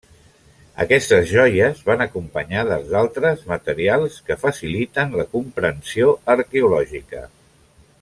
Aquestes joies van acompanyades d'altres materials que faciliten la comprensió arqueològica.